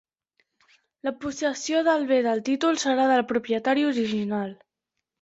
La possessió del bé del títol serà del propietari original.